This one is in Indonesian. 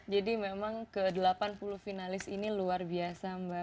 memang ke delapan puluh finalis ini luar biasa mbak